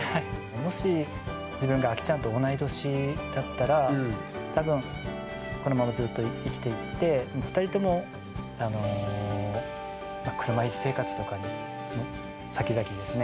もし自分がアキちゃんと同い年だったら多分このままずっと生きていって２人ともあの車いす生活とかにさきざきですね